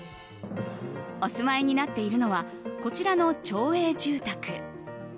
お住まいになっているのはこちらの町営住宅。